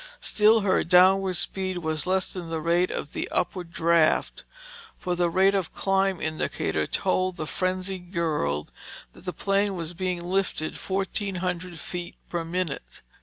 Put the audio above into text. Still her downward speed was less than the rate of the upward draft, for the rate of climb indicator told the frenzied girl that the plane was being lifted fourteen hundred feet per minute.